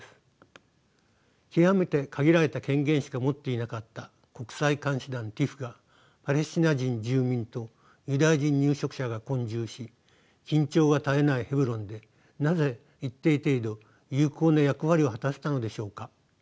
極めて限られた権限しか持っていなかった国際監視団ＴＩＰＨがパレスチナ人住民とユダヤ人入植者が混住し緊張が絶えないヘブロンでなぜ一定程度有効な役割を果たせたのでしょうか。